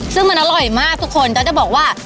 ซึ่งมันอร่อยมากทุกคนแต่จะบอกว่า